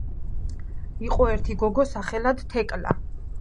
იყო ერთი გოგო სახელად თეკლა